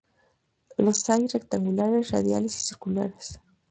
Los hay "rectangulares", "radiales" y "circulares".